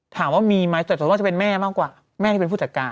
ถามว่ามีไหมแต่ส่วนว่าจะเป็นแม่มากกว่าแม่ที่เป็นผู้จัดการ